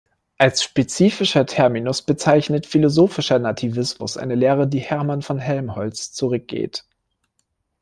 Als spezifischer Terminus bezeichnet philosophischer Nativismus eine Lehre, die Hermann von Helmholtz zurückgeht.